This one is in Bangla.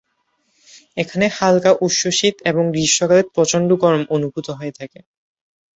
এখানে হালকা-উষ্ণ শীত এবং গ্রীষ্মকালে প্রচন্ড গরম অনুভূত হয়ে থাকে।